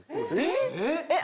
えっ！